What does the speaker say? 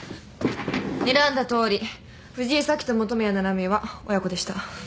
にらんだとおり藤井早紀と元宮七海は親子でした。